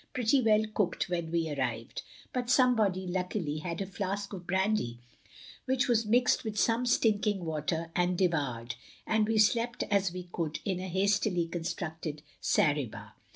... pretty well cooked when we arrived, but somebody luckily had a flask of brandy which was mixed with some stinking water and devoured, and we slept as we could in a hastily constructed zareba.